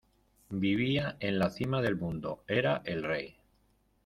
Vivía en la cima del mundo, era el rey